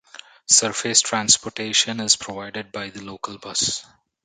Surface transportation is provided by the local bus.